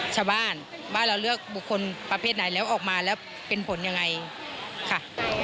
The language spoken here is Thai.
ชาวบ้านว่าเราเลือกบุคคลประเภทไหนแล้วออกมาแล้วเป็นผลยังไงค่ะ